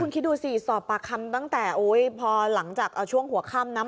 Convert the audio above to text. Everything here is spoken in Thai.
คิดดูสิสอบปากคำตั้งแต่พอหลังจากช่วงหัวค่ำนะ